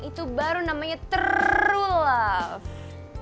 itu baru namanya true love